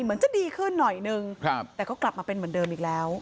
เหมือนจะดีขึ้นหน่อยนึงแต่ก็กลับมาเป็นเหมือนเดิมอีกแล้ว